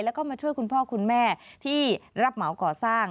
แล้วก็มาช่วยคุณพ่อคุณแม่ที่รับเหมาก่อสร้าง